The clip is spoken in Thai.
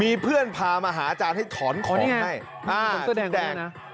มีเพื่อนพามาหาอาจารย์ให้ถอนของให้อ๋อนี่ไงอ่าคุณแดง